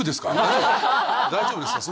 大丈夫ですか？